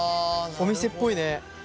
お店っぽいね。